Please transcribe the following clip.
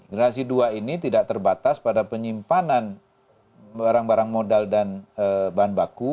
generasi dua ini tidak terbatas pada penyimpanan barang barang modal dan bahan baku